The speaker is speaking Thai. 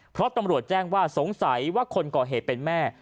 เพราะตำรวจแจ้งว่าสงสัยว่าคนก่อเหตุเป็นแม่